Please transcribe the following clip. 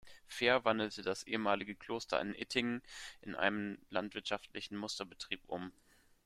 Fehr wandelte das ehemalige Kloster in Ittingen in einen landwirtschaftlichen Musterbetrieb um.